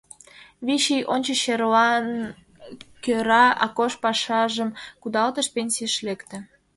Вич ий ончыч черлан кӧра Акош пашажым кудалтыш, пенсийыш лекте.